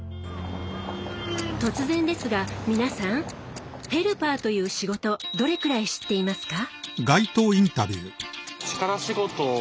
突然ですが、皆さん「ヘルパー」という仕事どれくらい知っていますか？